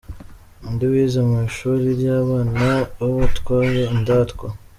undi wize mu ishuri ry’abana b’abatware Indatwa.